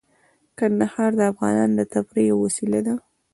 کندهار د افغانانو د تفریح یوه وسیله ده.